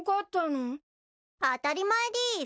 当たり前でぃす。